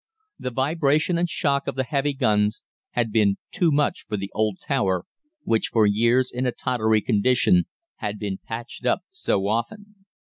The vibration and shock of the heavy guns had been too much for the old tower, which, for years in a tottery condition, had been patched up so often.